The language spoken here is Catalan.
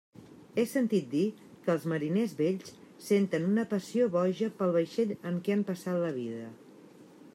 He sentit dir que els mariners vells senten una passió boja pel vaixell en què han passat la vida.